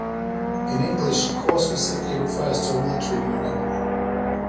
In English, corps specifically refers to a military unit.